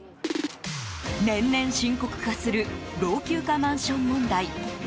年々深刻化する老朽化マンション問題。